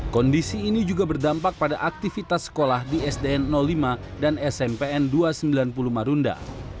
kondisi ini juga berdampak pada aktivitas sekolah di sdn lima dan smpn dua ratus sembilan puluh marunda